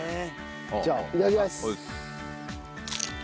じゃあいただきます。